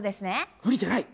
不利じゃない。